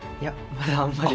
まだあんまり。